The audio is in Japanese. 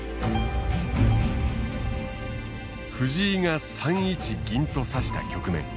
藤井が３一銀と指した局面。